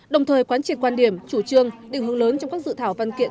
đồng thời quán triệt quan điểm chủ trương định hướng lớn trong các dự thảo văn kiện